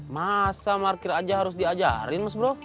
masa parkir aja harus diajarin mas bro